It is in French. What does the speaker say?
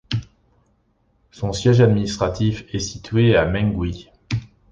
Son siège administratif est situé à Mengwi.